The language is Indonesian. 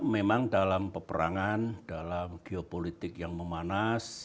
memang dalam peperangan dalam geopolitik yang memanas